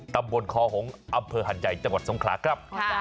ตำบลคอหงษ์อำเภอหัดใหญ่จังหวัดสงขลาครับ